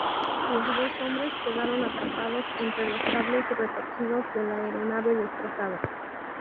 Los dos hombres quedaron atrapados entre los cables retorcidos de la aeronave destrozada.